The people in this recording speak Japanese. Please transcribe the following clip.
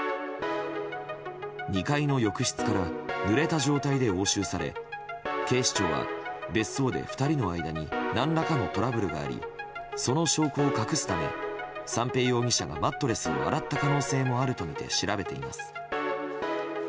２階の浴室からぬれた状態で押収され警視庁は別荘で２人の間に何らかのトラブルがありその証拠を隠すため三瓶容疑者がマットレスを洗った可能性もあるとみて調べています。